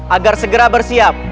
agar segera bersiap